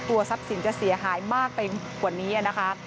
ทรัพย์สินจะเสียหายมากไปกว่านี้นะคะ